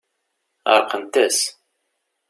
Ɛerqent-as.